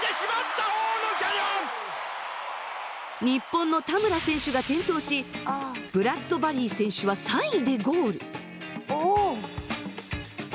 日本の田村選手が転倒しブラッドバリー選手は３位でゴール。